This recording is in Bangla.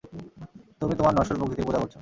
তুমি তোমার নশ্বর প্রকৃতির পূজা করছ।